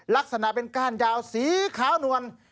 ลักษณะเป็นก้านยาวสีขาวนวล